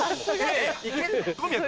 小宮君。